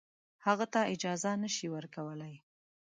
هغه ته اجازه نه شي ورکولای.